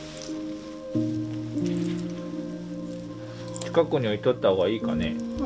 近くに置いとった方がいいかね。